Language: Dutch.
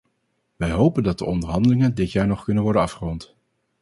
Wij hopen dat de onderhandelingen dit jaar nog kunnen worden afgerond.